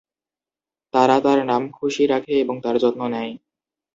তারা তার নাম খুশি রাখে এবং তার যত্ন নেয়।